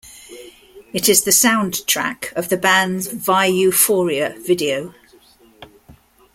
It is the soundtrack of the band's "Vieuphoria" video.